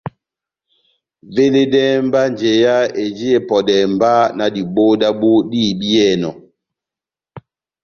Veledɛhɛ mba njeya eji epɔdɛhɛ mba na diboho dábu dihibiyɛnɔ.